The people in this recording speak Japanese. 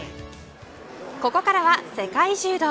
ここからは世界柔道。